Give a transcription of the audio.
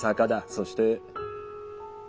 そして。